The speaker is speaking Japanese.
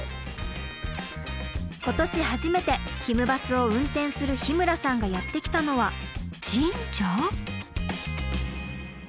今年初めてひむバスを運転する日村さんがやって来たのは神社？